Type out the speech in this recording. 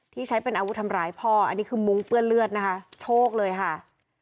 ใช้เป็นอาวุธทำร้ายพ่ออันนี้คือมุ้งเปื้อนเลือดนะคะโชคเลยค่ะ